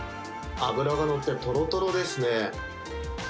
脂が乗ってとろとろですね。